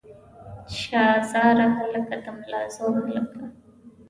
شاه زار هلکه د ملازو هلکه.